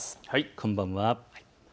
こんばんは。